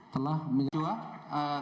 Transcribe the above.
telah menyerang pribadi kami apalagi profesi